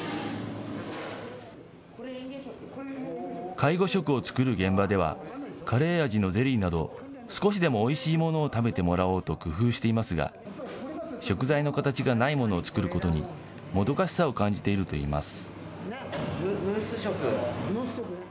介護食を作る現場では、カレー味のゼリーなど少しでもおいしいものを食べてもらおうと工夫していますが、食材の形がないものを作ることにもどかしさを感じているといいます。